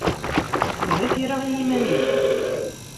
Telha tira i yiman-ik.